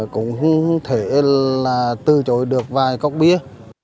cũng không thể là từ chối được vài cốc bia